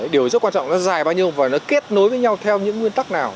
điều rất quan trọng nó dài bao nhiêu và nó kết nối với nhau theo những nguyên tắc nào